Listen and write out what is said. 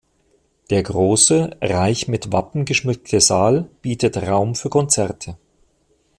Der große, reich mit Wappen geschmückte Saal bietet Raum für Konzerte.